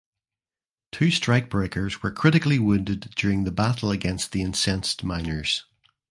Two strikebreakers were critically wounded during the battle against the incensed miners.